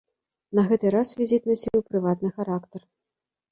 На гэты раз візіт насіў прыватны характар.